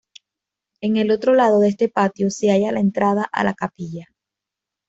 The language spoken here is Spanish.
En el otro lado de este patio se haya la entrada a la capilla.